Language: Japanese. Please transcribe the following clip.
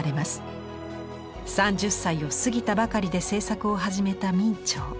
３０歳を過ぎたばかりで制作を始めた明兆。